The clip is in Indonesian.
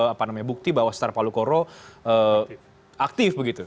apa namanya bukti bahwa star palu koro aktif begitu